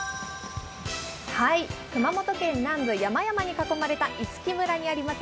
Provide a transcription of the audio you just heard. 熊本県南部、山々に囲まれた五木村にあります